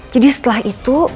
jadi setelah itu